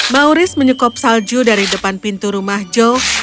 mauris menyukop salju dari depan pintu rumahnya